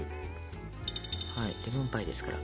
レモンパイですから。